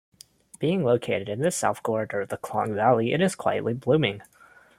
Being located in the south corridor of the Klang Valley, it is quietly booming.